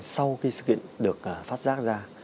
sau khi sự kiện được xảy ra